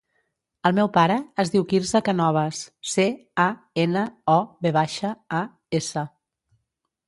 El meu pare es diu Quirze Canovas: ce, a, ena, o, ve baixa, a, essa.